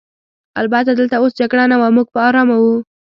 البته دلته اوس جګړه نه وه، موږ په آرامه وو.